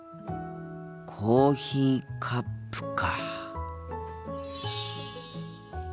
コーヒーカップか。